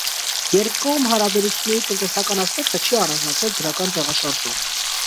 Երկկողմ հարաբերությունների տնտեսական ասպեկտը չի առանձնացել դրական տեղաշարժով։